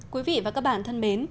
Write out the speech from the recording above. quý vị và các bạn thân mến